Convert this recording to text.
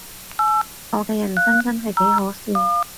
我嘅人生真係幾可笑